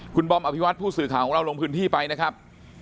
คุณบอมอภิวัตผู้สื่อข่าวของเราลงพื้นที่ไปนะครับ